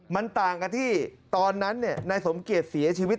มันต่างกับที่ตอนนั้นนายสมเกียจเสียชีวิต